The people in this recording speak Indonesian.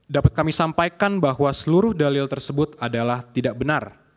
dapat kami sampaikan bahwa seluruh dalil tersebut adalah tidak benar